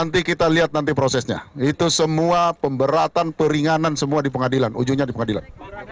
nanti kita lihat nanti prosesnya itu semua pemberatan peringanan semua di pengadilan ujungnya di pengadilan